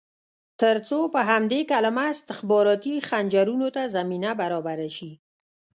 ترڅو په همدې کلمه استخباراتي خنجرونو ته زمینه برابره شي.